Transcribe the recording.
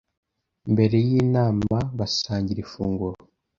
Mbere yinama, basangiraga ifunguro.